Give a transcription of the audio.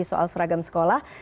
soal seragam sekolah